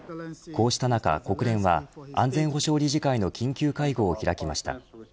こうした中国連は安全保障理事会の緊急会合を開きました。